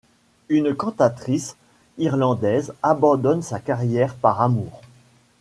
Une cantatrice irlandaise abandonne sa carrière par amour.